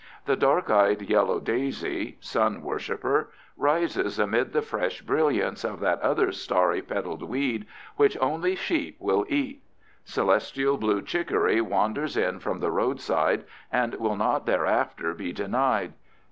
The dark eyed yellow daisy, sun worshiper, rises amid the fresh brilliance of that other starry petaled weed which only sheep will eat. Celestial blue chicory wanders in from the roadside and will not thereafter be denied.